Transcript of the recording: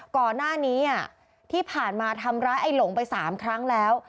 ก่อนหน้านี้ที่ผ่านมาทำร้ายไอ้หลงไป๓ครั้งแล้ว